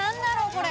これ。